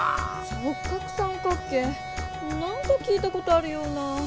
直角三角形なんか聞いたことあるような。